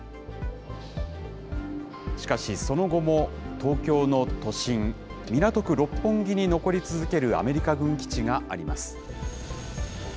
しかし、その後も東京の都心、港区六本木に残り続けるアメリカ軍基地があります。